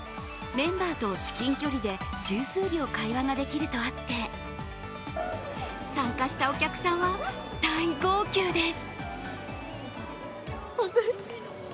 メンバーと至近距離で十数秒会話ができるとあって参加したお客さんは大号泣です。